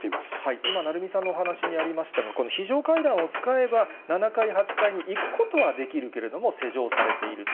今、鳴海さんのお話にありましたが、この非常階段を使えば、７階、８階に行くことはできるけれども、施錠されていると。